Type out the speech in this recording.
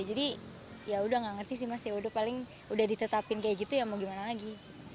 jadi yaudah nggak ngerti sih mas yaudah paling udah ditetapin kayak gitu ya mau gimana lagi